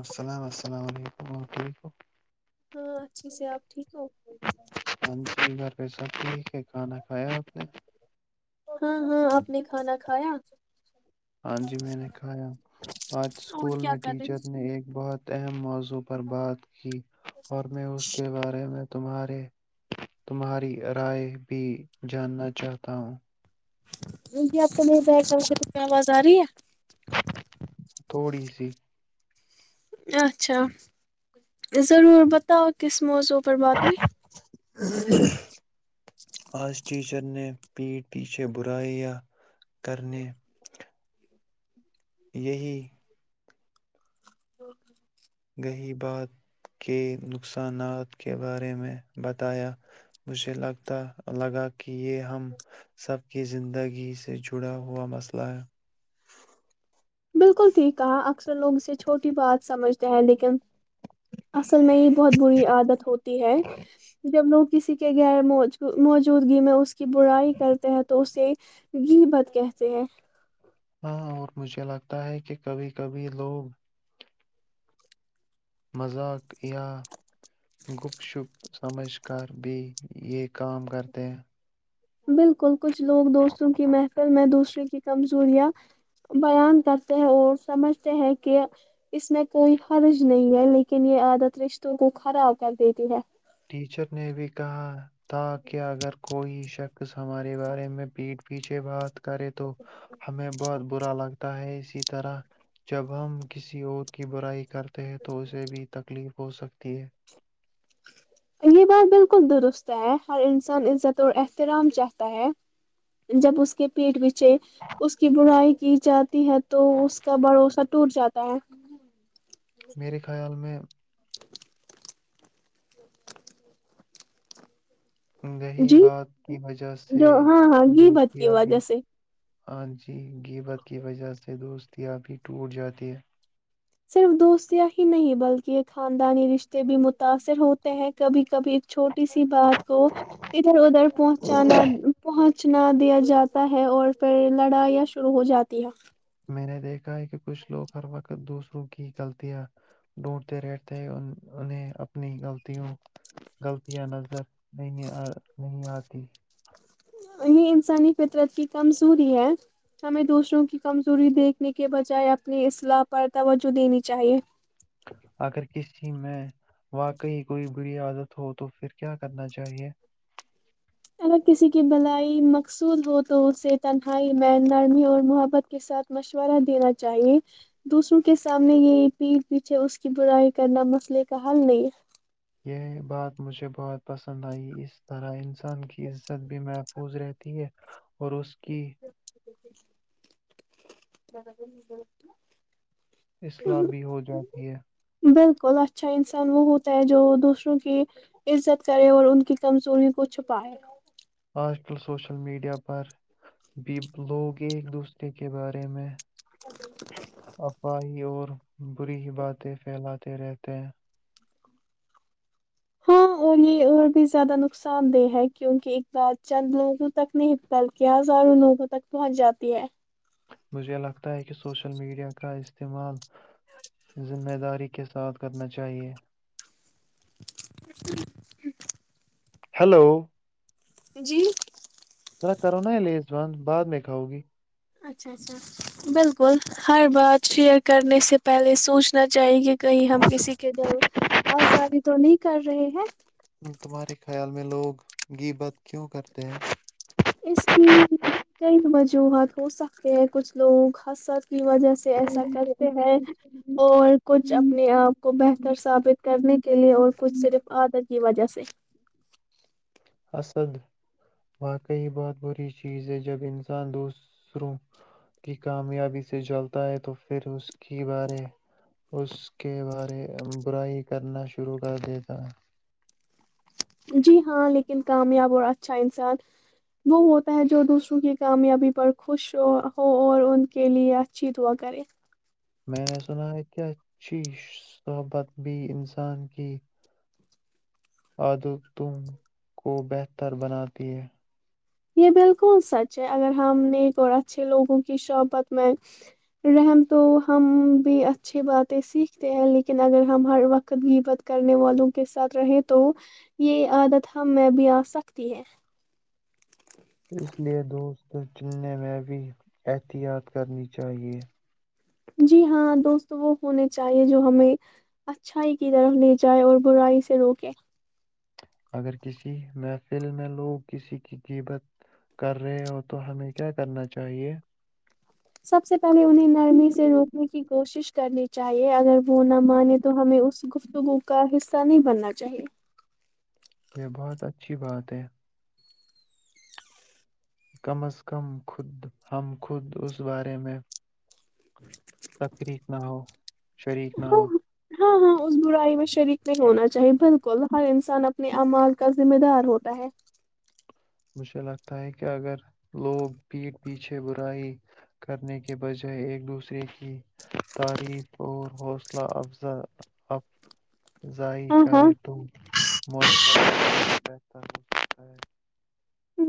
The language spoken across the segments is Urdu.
السلام السلام علیکم ورحمتیک ہو ہاں اچھی سے آپ ٹھیک ہو بار پہ سات کہ کھانا کھایا آپ نے [inaudible] ہاں ہاں آپ نے کھانا کھایا ہاں جی میں نے کہایا آج اور اسکول کیا میں کرے ٹیچر نے ایک بہت اہم مز و پر بات کی اور میں اس کے بارے میں تمہارے تمہاری رائے بھی جاننا چاہتا ہوں کیی آپ کے بیٹھ کر ر کی آواز آ رہی ہے تھوڑی س اچھا ضرور بتاؤ کس موزوق آس ٹھیک ٹیچر نے پی پیچھے برائیا کرنے یہی اوک گہی بات کے نقصانات کے بارے میں بتایا مجھے لتا لگا کہ یہ ہم سب کی زندگی سے جڑا ہوا مسئلہ ہے بالکل ٹھیک کہا اکثر لوگ اسے چھوٹی بات سمجھتے ہیں لیکن اصل میں یہ بہت بری عادت ہوتی ہے جب لوگ کسی کے غیر مو موجودگی میں اس کی برائی کرتے ہیں تو اسے یہ بات کہتے ہیں ہاں اور مجھے لگتا ہے کہ کبھی کبھی لوگ مذاق یا گپ شپ سمجھ کر بھی یہ کام کرتے ہیں بالکل کچھ لوگ دوستوں کی محفل میں دوسروں کی کمزوریاں بیان کرتے ہیں اور سمجھتے ہیں کہ اس میں کوئی حرج نہیں ہے لیکن یہ عادت رشتوں کو خراب کر دیتی ہے ٹیچر نے بھی کہا تھا کہ اگر کوئی ش ہمارے بارے میں پیھ پیچھے بات کریں تو ہمیں بہت برا لگتا ہے اسی طرح جب ہم کسی اور کی برائی کے کرتے ہیں تو اسے بھی تکلیف ہو سکتی ہے یہ بات بالکل درست ہے ہر انسان عزت اور احترام چاہتا ہے جب اس کے پیٹ پیچھے اس کی برائی کی جاتی ہے تو اس کا بھروسہ ٹوٹ جاتا ہے میرے خیال میں رہی جی بات کی وجہ سے جو ہاں ہاں غیبت کی دوستیاںب بھی وجہ سے ہاں جی ج گ بت کی وجہ سے دوست دیاب بھی ٹوٹ جاتی ہے صرف دوستیاں ہی نہیں بلکہ یہ خاندانی رشتے بھی متاثر ہوتے ہیں کبھی کبھی ایک چھوٹے کسی بات کو ادھر ادھر پہنچانا پہنچ سچنا دیا جاتا ہے اور پھر لڑائیاں شرو ہو جاتی ہے میں نے دیکھا ہے کہ کچھ لوگ ہر وقت دوسروں کی غلطیاں ڈھونڈتے رہتے انہیں اپنی غلطوں غلطیاں نظر نہیں نہیں آتی یہ انسانی فطرت کی کمزوری ہے ہمیں دوسروں کی کمزوری دیکھنے کے بجائے اپنی اصلاح پر توجہ دینی چاہیے اگر کسی میں واقعی کوئی بری عادت ہو تو پھر کیا کرنا چاہیے اگر کسی کی بلائی مقصول ہو تو اسے تنہائی م نرمی اور محبت کے ساتھ مشورہ دینا چاہیے دوسروں کے سامنے یہ پیھ پیچھے اس کی برائی کرنا مسئلے کا حل نہیں ہے یہ بات مجھے بہت پسند آئی اس طرح ان انسان کی عزت بھی محفوظ رہحتی ہے اور اس [inaudible] کیاا اصلاح بھی ہو جاتی ہے ک اچھا انسان وہ ہوتا ہے جو دوسروں کی عزت کرے اور ان کی کمزوری کو چھپائے آج کل سوشل میڈیا پر بھی لوگ ایک دوسرے کے بارے میں آپا ہی اور بری ہی بات ہے پھیلا چیرےتے ہاں اور یہ اور بھی زیادہ نقصان دہ ہے کیونکہ اق بار چند لوگوں تک نہیں بلکہ ہزاروں لوگوں تک پہنچ جاتی ہے مجھے لگتا ہے کہ سوشل میڈیا کا استعمال ذمہ داری کے ساتھ کرنا چاہیئے ہیلو جی ذرا کرونا ہے لی وان بعد میں کاؤ گی اچھا اچھا بالکل ہر بات شیئر کرنے سے پہلے سوچنا چاہیے کہیں ہم کسی کے ج آزادی تو نہیں کر رہے ہیں تمہارے خیال میں لوگ گ بات کیوں کرتے ہیں اس کی کئی وجوہات ہو سکتے ہیں کچھ لوگوں حس کی وجہ سے ایسا کرتے ہیں اور کچھ اپنے آپ کو بہتر ثابت کرنے کے لیے اور کچھ صرف آدر کی وجہ سے اسد واقعی بہت بری چیز ہے جب انسان دوسروں کی کامیابی سے جلتا ہے تو پھر اس کی بارے اس کے بارے برائی کرنا شروع کر دیتا ہے جی ہاں لیکن کامیاب اور اچھا انسان وہ ہوتا ہے جو دوسروں کی کامیابی پر خوش ہو اور ان کے لیے اچھی دعا کرے میں نے سنا ہے کیا اچھی صحبت بھی انسان کی آدو تم کو بہتر بناتی ہے یہ بالکل سچ ہے اگر ہم نیک اور اچھے لوگوں کی شحبت میں رہم تو ہم بھی اچھی باتیں سیکھتے ہیں لیکن اگر ہم ہر وقت گ بت کرنے والوں کے ساتھ رہیں تو یہ عادت ہم میں بھی آ سکتی ہے اس لیے دوست چننے میں بھی احتیاط کرنی چاہیے جی ہاں دوست وہ ہونے چاہیے جو ہمیں اچھائی کی طرف لے جائے اور برائی سے روکے اگر کسی محفل میں لوگ کسی کی قیبت کر رہے ہو تو ہمیں کیا کرنا چاہیے سب سے پہلے انہیں نرمی سے روکنے کی کوشش کرنی چاہیے اگر وہ نہ مانے تو ہمیں اس گفتگو کا حصہ نہیں بننا چاہیے یہ بہت اچھی بات ہے کم از کم خود ہم خود اس بارے میں سکری [unintelligible] ہاں ہاں ہاں اس برائی میں شریک نہیں ہونا چاہی بالکل ہر انسان اپ اپنے اعمال کا ذمہ دار ہوتا ہے مجھے لگتا ہے کہ اگر لوگ پھ پیچھے برائی کرنے کے بجائے ایک دوسرے کی تعریف اور حوصلہ افزا ا زائع ہاں ہاں کرے تم مشل بہتر ہوتا ہے ہ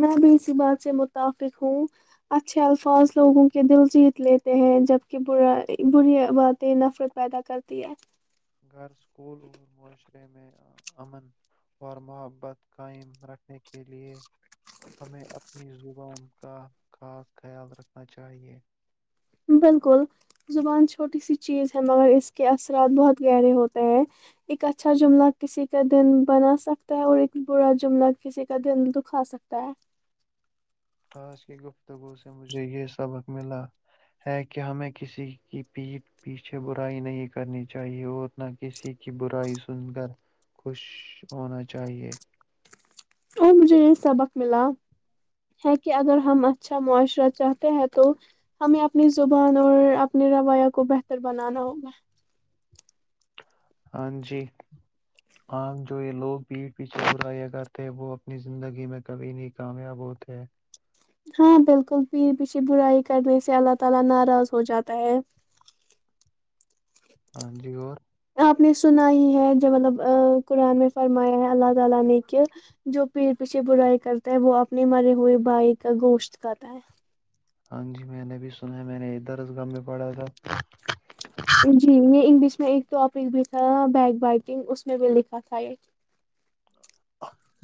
میں بھی اسی بات سے متفق ہوں اچھے الفاظ لوگوں کے دل جیت لیتے ہیں جبک برا بری باتیں نفرت پیدا کرتی ہے گھر اسکول اور معاشرے میں امن اور محبت قائم رکھنے کے لیے ہمیں اپنی زبان کا خاص خیال رکھنا چاہیے بالکل زبان چھوٹی سی چیز ہے مگر اس کے اثرات بہت گہرے ہوتے ہیں ایک اچھا جملہ کسی کا دن بنا سکتا ہے اور ایک برا جملہ کسی کا دن دکھا سکتا ہے خاص کی گفتگو سے مجھے یہ سبق ملا ہے کہ ہمیں کسی کی پیھ پیچھے برائی نہیں کرنی چاہیے اور نہ کسی کی برائی سن کر خوش ہونا چاہئے اور مجھے یہ سبق ملا ہے کہ اگر ہم اچھا معاشرہ چاہتے ہیں تو ہمیں اپنی زبان اور اپنے رویہ کو بہتر بنانا ہوگا ہاں جی عام جو یہ لوگ بھیڑھ پیچھے بلایا کرتے ہیں وہ اپنی زندگی میں کبھی نہیں کامیاب ہوتے ہیں ہاں بالکل پیر پیچھے برائی کرنے سے اللہ تعالی ناراض ہو جاتا ہے ہاں جی اور [unintelligible] ہاں جی میں نے بھی سنا میں نے ادھر اس گام میں پڑھا تھا جی میں انگلش میں ایک ٹاپک بھی تھا بیک بائٹنگ اس میں بھی لکھا تھا ایک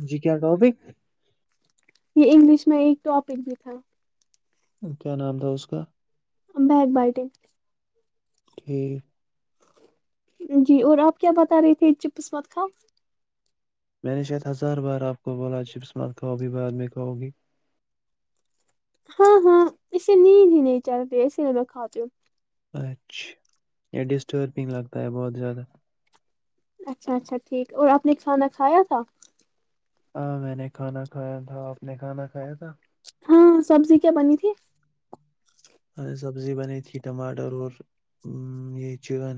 جی کیا ٹاپک [unintelligible] یہ انگلش میں ایک ٹاپک بھی تھا [unintelligible] کیا نام تھا اس کا بگ بیائٹ [unintelligible] جی اور آپ کیا بتا رہے تھے چپسمت خوان میں نے شاید ہزار بار آپ کو بولا جپسمارکب بھی بعد میں کہو گی ہاں ہاں اسے نیند ہی نہیں چلتی اسی لیے میں کھاتی ہوں اچھا یہ ڈسٹربنگ لگتا ہے بہت زیادہ اچھا اچھا ٹھیک اور آپ نے کھانا کھایا تھا ہاں میں نے کھانا کھایا تھا آپ نے کھانا کھایا تھا ہاں سبزی کیا بنی تھی ارے سبزی بنی تھی ٹماٹر اور یہ چکن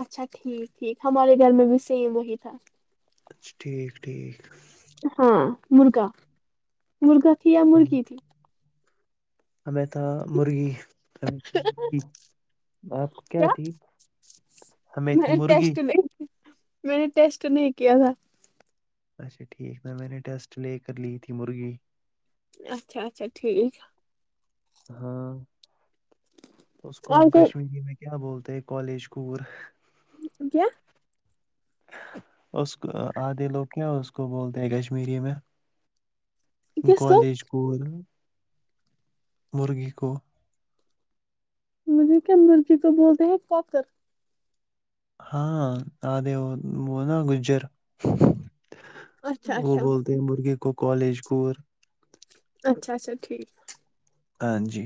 اچھا ٹھیک ٹھیک ہمارے گھر میں بھی سیم وہی تھا اچا ٹھیک ٹھیک ہاں مرغا [inaudible] مرغا تھی یا مرغی تھی امیتا مرغی ہم تھی مری آپ کیا تھی ہمیں میں تھی نے مرغی ٹیسٹ [inaudible] نہیں میں نے ٹیسٹ نہیں کیا تھا [inaudible] اچھا ٹھیک تھا میں نے ٹیسٹ لے کر لی تھی مرغی اچھا اچھا ٹھیک ہے [inaudible] ہاں [inaudible] اس کو اور ہم تو کشمیری میں [inaudible] کیا بولتے کالج کوور [inaudible] ا کیا [inaudible] کس کو کالج کوول مرغی کو مجھے کیا مرغی تو بولتے ہیں کوکر ہاں آدے وہ وہ نا گجر اچھا وہ اچھا بولتے ہیں مرغے کو کالجکور اچھا اچھا ٹھیک ہے ہاں جی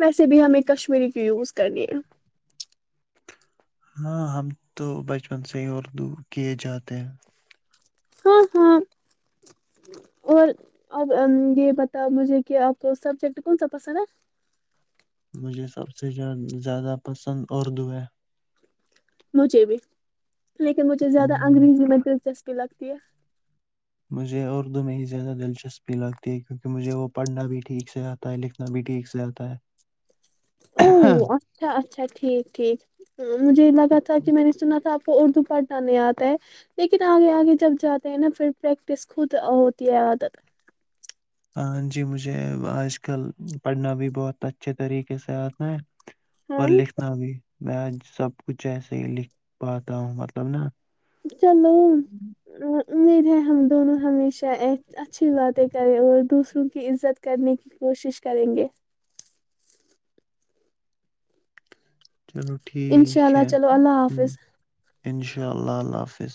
ویسے بھی ہمیں کشمیری کی یوز کرنی ہے ہاں ہم تو بچپن سے ہی اردو کیے جاتے ہیں ہاں ہاں اور ا یہ بتاؤ مجھے کہ آپ کو سبجیکٹ کون سا پسند ہے مجھے سب سے زیادہ پسند اردو ہے مھے بھی لیکن مجھے ہم، زیادہ انگریزی میں دلچسپ کی لگتی ہے [inaudible] او اچھا اچھا ٹھیک ٹھیک مجھے یہ لگا تھا کہ میں نے سنا تھا اردو پڑھنا نہیں آتا ہے لیکن آگے آگے جب جاتے ہیں نا پھر پریکٹس خود ہوتی ہے عادت ہاں جی مجھے آج کل پڑھنا بھی بہت اچھے طریقے سے آنا ہے اور ہاں لکھنا بھی میں آج سب کچھ ایسے ہی لکھ پاتا ہوں مطلب نا چلو امید ہے ہم دونوں ہمیشہ اچھی باتیں کریں اور دوسروں کی عزت کرنے کی کوشش کریں گے چلو ٹھیک انشاء اللہ ہے ان چلو اللہ حافظ شاءلہ ان شاء اللہ ال حافظ